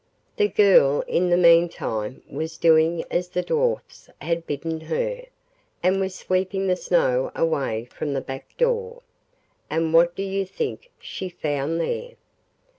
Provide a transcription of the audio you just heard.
The girl in the meantime was doing as the Dwarfs had bidden her, and was sweeping the snow away from the back door, and what do you think she found there?